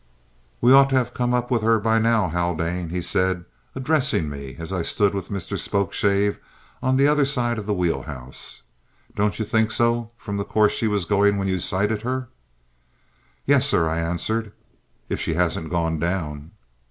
"We ought to have come up with her by now, Haldane," he said, addressing me, as I stood with Spokeshave on the other side of the wheel house. "Don't you think so from the course she was going when you sighted her?" "Yes, sir," I answered, "if she hasn't gone down!"